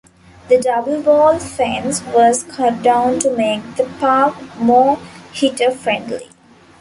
The "double wall" fence was cut down to make the park more hitter-friendly.